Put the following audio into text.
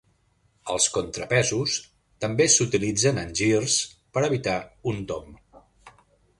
Els contrapesos també s'utilitzen en girs per evitar un tomb.